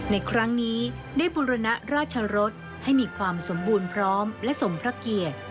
ในครั้งนี้ได้บุรณะราชรสให้มีความสมบูรณ์พร้อมและสมพระเกียรติ